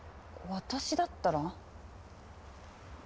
私だったら？